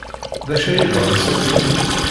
D acu ay yeḍran sakkin?